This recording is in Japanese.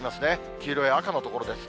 黄色や赤の所です。